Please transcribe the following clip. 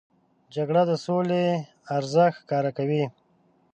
جګړه د سولې ارزښت ښکاره کوي